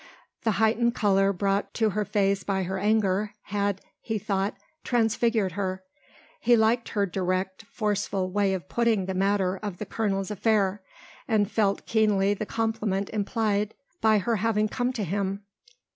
The heightened colour brought to her face by her anger had, he thought, transfigured her. He liked her direct, forceful way of putting the matter of the colonel's affair, and felt keenly the compliment implied by her having come to him.